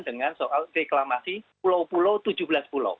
dengan soal reklamasi pulau pulau tujuh belas pulau